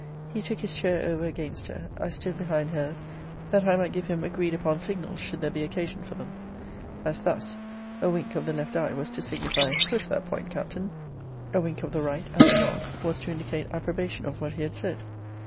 He took his chair over against her. I stood behind her's that I might give him agreed upon signals, should there be occasion for them. As thus a wink of the left eye was to signify push that point, Captain. A wink of the right, and a nod, was to indicate approbation of what he had said.